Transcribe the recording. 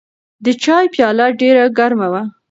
د چای پیاله ډېره ګرمه وه.